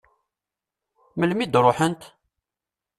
Melmi i d-ruḥent?